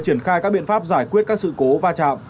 triển khai các biện pháp giải quyết các sự cố va chạm